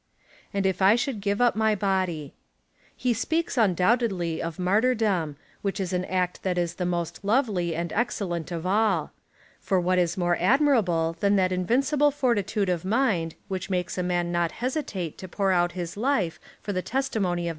And if I shoidd give up my body. He speaks, undoubt edly, of martyrdom, which is an act that is the most lovely and excellent of all ; for what is more admirable than that invincible fortitude of mind, which makes a man not hesi tate to pour out his life for the testimony of the gospel